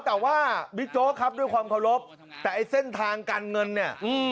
แต่ว่าบิ๊กโจ๊กครับด้วยความเคารพแต่ไอ้เส้นทางการเงินเนี่ย